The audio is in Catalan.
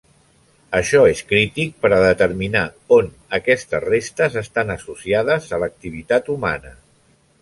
Això és crític per a determinar on aquestes restes estan associades a l'activitat humana.